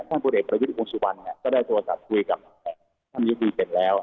ท่านบุตรเอกบริษัทวงศ์ชีวัณก็ได้โทรศัพท์คุยกับท่านยุคุณเจ็ดแล้ว